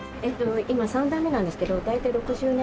今３代目なんですけど大体６０年ちょっと。